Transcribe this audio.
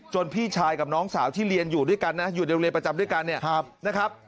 พี่ชายกับน้องสาวที่เรียนอยู่ด้วยกันนะอยู่ในโรงเรียนประจำด้วยกันเนี่ยนะครับ